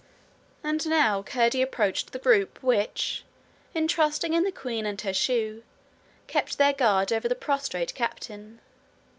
And now Curdie approached the group which, in trusting in the queen and her shoe, kept their guard over the prostrate captain.